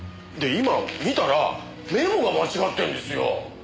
で今見たらメモが間違ってんですよ！